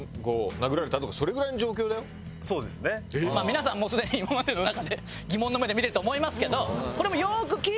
皆さんもうすでに今までの中で疑問の目で見てると思いますけど。